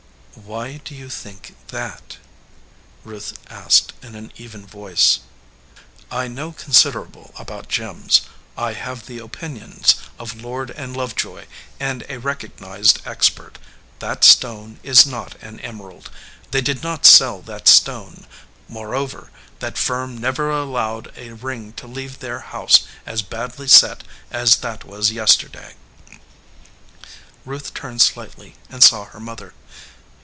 "Why do you think that?" Ruth asked in an even voice. "I know considerable about gems. I have the 270 RING WITH THE GREEN STONE opinions of Lord & Lcvejoy and a recognized ex pert. That stone is not an emerald. They did not sell that stone. Moreover, that firm never allowed a ring to leave their house as badly set as that was yesterday." Ruth turned slightly and saw her mother.